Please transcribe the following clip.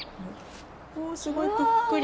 おすごいぷっくり。